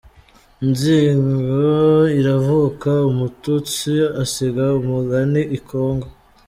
Inzigo iravuka umututsi asiga umugani i Congo!